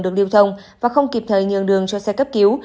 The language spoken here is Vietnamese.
được lưu thông và không kịp thời nhường đường cho xe cấp cứu